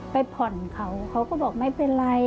ไปผ่อนเขาเขาก็บอกไม่เป็นไร